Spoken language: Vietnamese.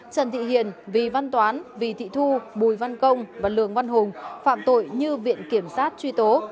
trần thị hiền vy văn toán vy thị thu bùi văn công và lương văn hùng phạm tội như viện kiểm sát truy tố